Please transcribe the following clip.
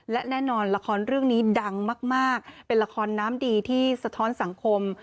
และแน่นอนละครเรื่องนี้ดังมากเป็นละครน้ำดีที่สะท้อนสังคม